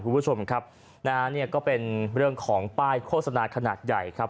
คุณผู้ชมครับนะฮะเนี่ยก็เป็นเรื่องของป้ายโฆษณาขนาดใหญ่ครับ